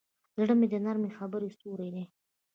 زړه د نرمې خبرې سیوری دی.